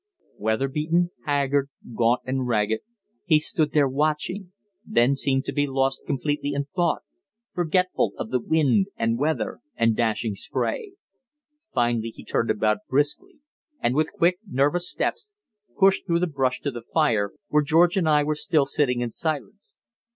Weather beaten, haggard, gaunt and ragged, he stood there watching; then seemed to be lost completely in thought, forgetful of the wind and weather and dashing spray. Finally he turned about briskly, and, with quick, nervous steps, pushed through the brush to the fire, where George and I were still sitting in silence.